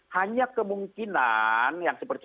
hanya kemungkinan yang seperti